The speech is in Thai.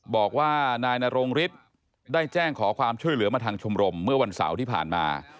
บอกว่านายนรงฤทธิ์ได้แจ้งขอความช่วยเหลือมาทางชมรมเมื่อวันเสาร์ที่ผ่านมา